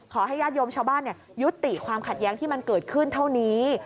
ญาติโยมชาวบ้านยุติความขัดแย้งที่มันเกิดขึ้นเท่านี้